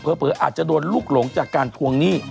เผลออาจจะโดนลูกหลงจากการทวงหนี้